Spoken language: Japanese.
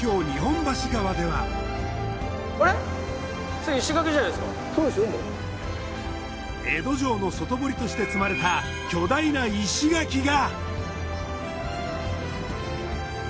そして江戸城の外堀として積まれた巨大な石垣が。